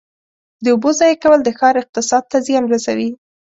د اوبو ضایع کول د ښار اقتصاد ته زیان رسوي.